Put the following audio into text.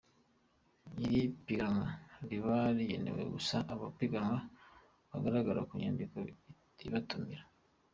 Iri piganwa riba rigenewe gusa abapiganwa, bagaragara ku nyandiko ibatumira.